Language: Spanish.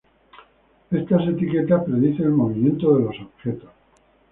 Estas etiquetas predicen el movimiento de los objetos.